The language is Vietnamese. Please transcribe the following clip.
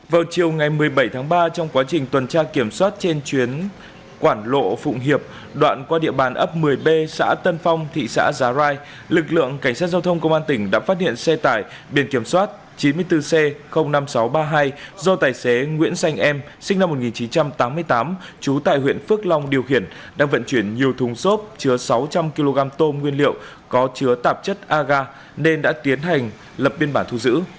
vào chiều ngày một mươi bảy tháng ba trong quá trình tuần tra kiểm soát trên chuyến quản lộ phụng hiệp đoạn qua địa bàn ấp một mươi b xã tân phong thị xã giá rai lực lượng cảnh sát giao thông công an tỉnh đã phát hiện xe tải biển kiểm soát chín mươi bốn c năm nghìn sáu trăm ba mươi hai do tài xế nguyễn xanh em sinh năm một nghìn chín trăm tám mươi tám chú tại huyện phước long điều khiển đang vận chuyển nhiều thùng xốp chứa sáu trăm linh kg tôm nguyên liệu có chứa tạp chất agar nên đã tiến hành lập biên phòng